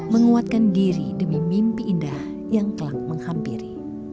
menguatkan diri demi mimpi indah yang telah menghampiri